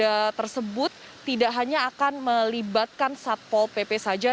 kerja tersebut tidak hanya akan melibatkan satpol pp saja